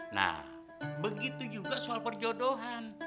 nah begitu juga soal perjodohan